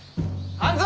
半蔵！